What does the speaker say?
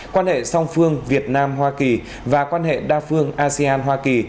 quan hệ song phương việt nam hoa kỳ và quan hệ đa phương asean hoa kỳ